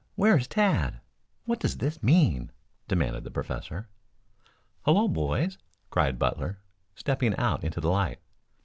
Where is Tad? What does this mean?" demanded the professor. "Hullo, boys," cried Butler stepping out into the light.